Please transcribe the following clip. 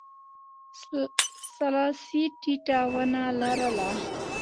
سلاسي ټیټه ونه لرله.